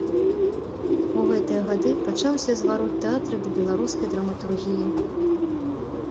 У гэтыя гады пачаўся зварот тэатра да беларускай драматургіі.